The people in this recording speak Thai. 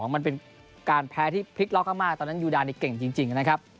มันเป็นการแพ้ที่พลิกล็อกมากตอนนั้นยูดานี่เก่งจริงนะครับ